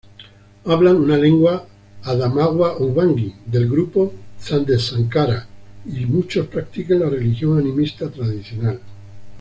Hablan una lengua Adamawa-Ubangi, del grupo zande-nzankara, y muchos practican la religión animista tradicional.